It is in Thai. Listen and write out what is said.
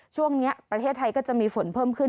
ช่วงนี้ประเทศไทยก็จะมีฝนเพิ่มขึ้น